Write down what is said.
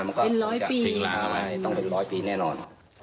มันก็จะพิงลามาต้องเป็นร้อยปีแน่นอน